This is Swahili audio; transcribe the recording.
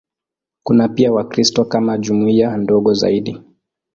Kuna pia Wakristo kama jumuiya ndogo zaidi.